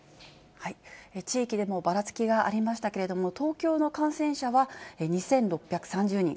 地域でもばらつきがありましたけれども、東京の感染者は２６３０人。